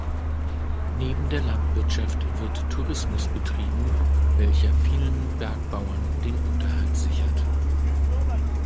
Neben der Landwirtschaft wird Tourismus betrieben, welcher vielen Bergbauern den Unterhalt sichert.